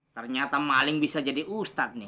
ternyata maling bisa jadi ustadz nih